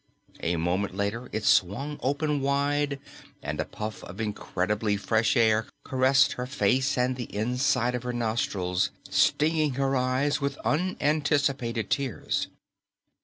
A moment later it swung open wide and a puff of incredibly fresh air caressed her face and the inside of her nostrils, stinging her eyes with unanticipated tears.